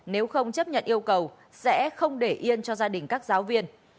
nếu không chấp nhận yêu cầu sẽ không để yên cho gia đình các giáo viên